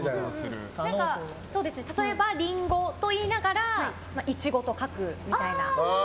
例えば、リンゴと言いながらイチゴと書くみたいな。